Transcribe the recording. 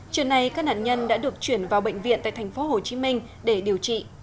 trước này các nạn nhân đã được chuyển vào bệnh viện tại thành phố hồ chí minh để điều trị